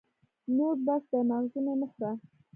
نور بس دی ، ماغزه مي مه خوره !